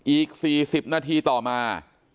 อีก๔๐นาทีต่อมา